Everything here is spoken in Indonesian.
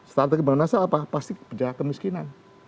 strategi bangunan nasional apa pasti kebijakan kemiskinan